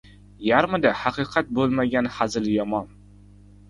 • Yarmida haqiqat bo‘lmagan hazil yomon.